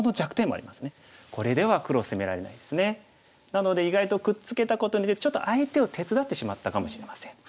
なので意外とくっつけたことによってちょっと相手を手伝ってしまったかもしれません。